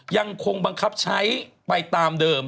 ยังคงบังคับใช้ไปตามเดิม